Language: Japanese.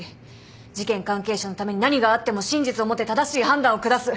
事件関係者のために何があっても真実をもって正しい判断を下す。